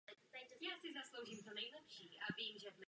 Pomáhají zejména materiálně.